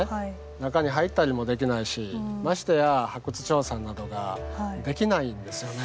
中に入ったりもできないしましてや発掘調査などができないんですよね。